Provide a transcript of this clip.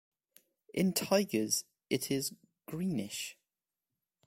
In tigers it is greenish.